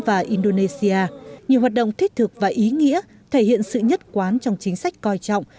và indonesia nhiều hoạt động thiết thực và ý nghĩa thể hiện sự nhất quán trong chính sách coi trọng